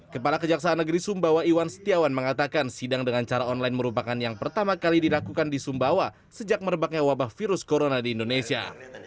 kepala kejaksaan negeri sumbawa iwan setiawan mengatakan sidang dengan cara online merupakan yang pertama kali dilakukan di sumbawa sejak merebaknya wabah virus corona di indonesia